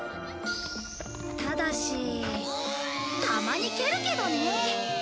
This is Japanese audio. ただしたまに蹴るけどね